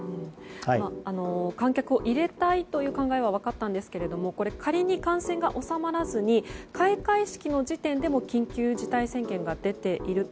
観客を入れたいという考えは分かったんですが仮に感染が収まらずに開会式の時点でも緊急事態宣言が出ていると。